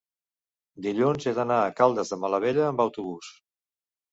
dilluns he d'anar a Caldes de Malavella amb autobús.